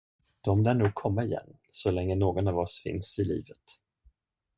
De lär nog komma igen, så länge någon av oss finns i livet.